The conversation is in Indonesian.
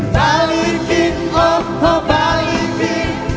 balikin oh oh balikin